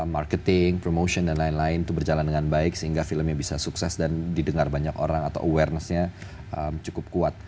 marketing promotion dan lain lain itu berjalan dengan baik sehingga filmnya bisa sukses dan didengar banyak orang atau awarenessnya cukup kuat